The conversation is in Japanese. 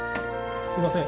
すみません。